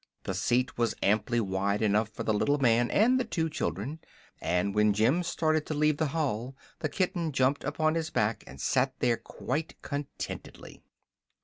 The seat was amply wide enough for the little man and the two children, and when Jim started to leave the hall the kitten jumped upon his back and sat there quite contentedly.